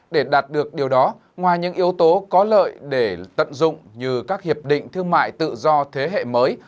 để đạt được điều đó ngoài những yếu tố có lợi để tận dụng như các hiệp định thương mại tự do thế hệ mới